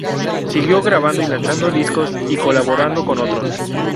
Siguió grabando y lanzando discos, y colaborando con otros.